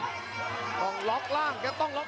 หัวจิตหัวใจแก่เกินร้อยครับ